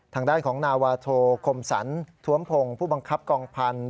ทางด้านของนาวาโทคมสรรท้วมพงศ์ผู้บังคับกองพันธุ